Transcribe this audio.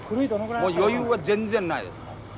余裕は全然ないです。